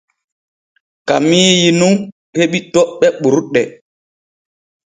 Kamiiyi nun heɓi toɓɓe ɓurɗe.